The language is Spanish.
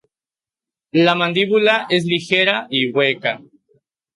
La mandíbula es ligera y hueca.